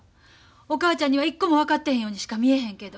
お母ちゃんにはいっこも分かってへんようにしか見えへんけど。